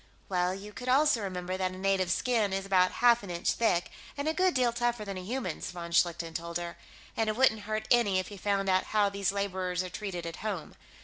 "Well, you could also remember that a native's skin is about half an inch thick, and a good deal tougher than a human's," von Schlichten told her. "And it wouldn't hurt any if you found out how these laborers are treated at home.